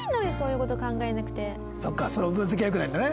そっかその分析はよくないんだね。